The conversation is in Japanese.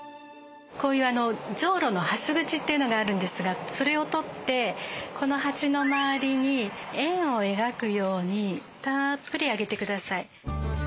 こういうじょうろのはす口というのがあるんですがそれを取ってこの鉢の周りに円を描くようにたっぷりあげてください。